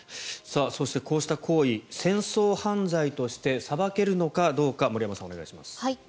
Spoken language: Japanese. そして、こうした行為戦争犯罪として裁けるのかどうか森山さん、お願いします。